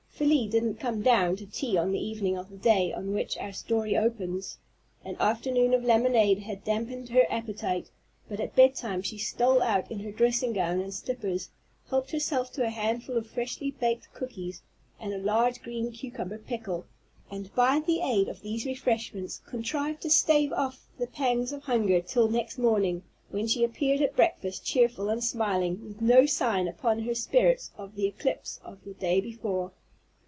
Felie didn't come down to tea on the evening of the day on which our story opens. An afternoon of lemonade had dampened her appetite, but at bedtime she stole out in her dressing gown and slippers, helped herself to a handful of freshly baked cookies and a large green cucumber pickle, and, by the aid of these refreshments, contrived to stave off the pangs of hunger till next morning, when she appeared at breakfast cheerful and smiling, with no sign upon her spirits of the eclipse of the day before.